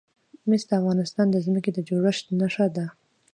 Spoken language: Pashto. مس د افغانستان د ځمکې د جوړښت نښه ده.